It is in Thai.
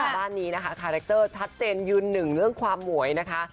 บ้านนี้นะคะคาแรคเตอร์ชัดเจนยืนหนึ่งเรื่องความหมวยนะคะ